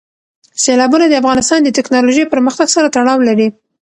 سیلابونه د افغانستان د تکنالوژۍ پرمختګ سره تړاو لري.